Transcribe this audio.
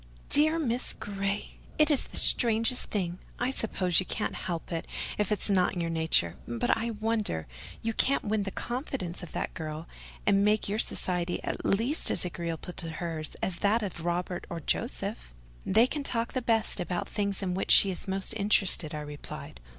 "Dear Miss Grey! it is the strangest thing. I suppose you can't help it, if it's not in your nature—but I wonder you can't win the confidence of that girl, and make your society at least as agreeable to her as that of Robert or Joseph!" "They can talk the best about the things in which she is most interested," I replied.